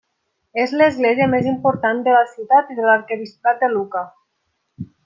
És l'església més important de la ciutat i de l'arquebisbat de Lucca.